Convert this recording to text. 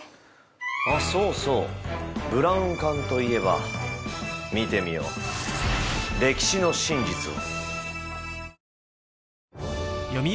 あっそうそうブラウン管といえば見てみよう歴史の真実を。